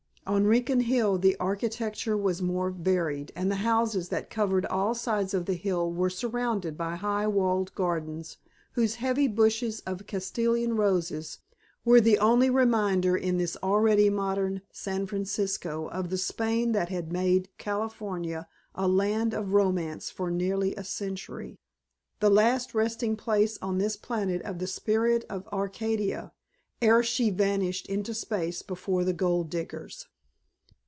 On Rincon Hill the architecture was more varied and the houses that covered all sides of the hill were surrounded by high walled gardens whose heavy bushes of Castilian roses were the only reminder in this already modern San Francisco of the Spain that had made California a land of romance for nearly a century; the last resting place on this planet of the Spirit of Arcadia ere she vanished into space before the gold seekers.